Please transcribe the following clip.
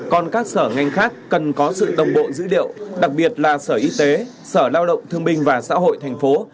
còn các sở ngành khác cần có sự đồng bộ dữ liệu đặc biệt là sở y tế sở lao động thương binh và xã hội thành phố